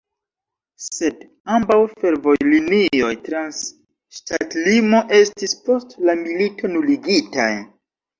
Sed ambaŭ fervojlinioj trans ŝtatlimo estis post la milito nuligitaj.